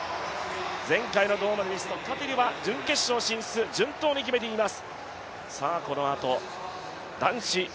前回の銅メダリスト、カティルは準決勝進出、順当に決めています。